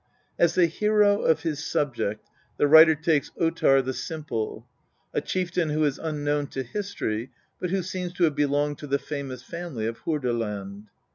As the hero of his subject the writer takes Ottar the Simple, a chieftain who is unknown to history, but who seems to have belonged to the famous family of Hordaland.